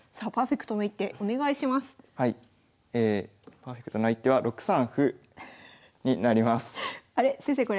パーフェクトな一手は６三歩になります。